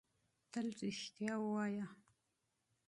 تل رېښتيا وايه